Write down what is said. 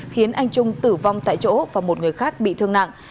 khiến anh trung tử vong tại chỗ và một người khác bị thương nặng